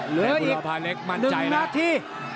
เหลืออีกหนึ่งนาที